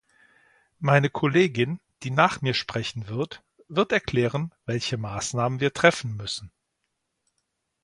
Meine Kollegin, die nach mir sprechen wird, wird erklären, welche Maßnahmen wir treffen müssen.